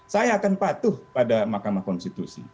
saya akan patuh pada mahkamah konstitusi